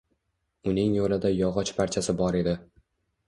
Uning yoʻlida yogʻoch parchasi bor edi